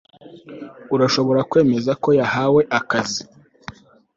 Urashobora kwemeza ko yahawe akazi